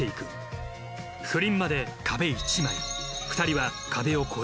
不倫まで壁１枚２人は。